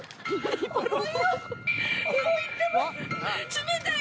冷たい！